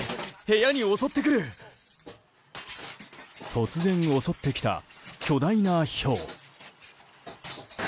突然襲ってきた巨大なひょう。